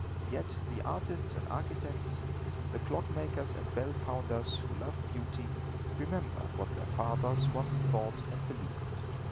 Yet the artists and architects, the clockmakers and bellfounders, who love beauty, remember what their fathers once thought and believed.